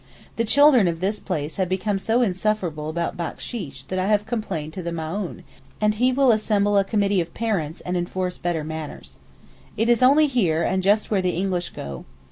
The children of this place have become so insufferable about backsheesh that I have complained to the Maōhn, and he will assemble a committee of parents and enforce better manners. It is only here and just where the English go.